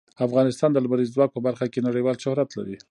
افغانستان د لمریز ځواک په برخه کې نړیوال شهرت لري.